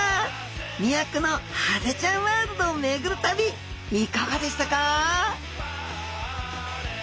魅惑のハゼちゃんワールドを巡る旅いかがでしたか？